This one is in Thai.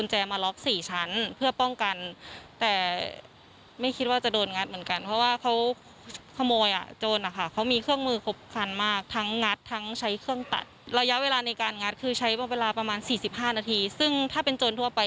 หลอก๔ชั้นยังโดนเลย